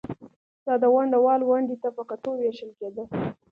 دا د ونډه وال ونډې ته په کتو وېشل کېده